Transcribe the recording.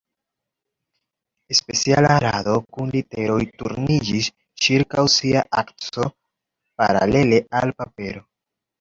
Speciala rado kun literoj turniĝis ĉirkaŭ sia akso paralele al papero.